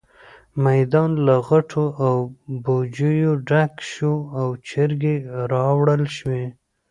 میدان له غوټو او بوجيو ډک شو او چرګې راوړل شوې.